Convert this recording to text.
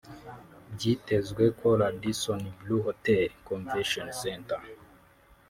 Byitezwe ko Radisson Blu Hotel& Convention Center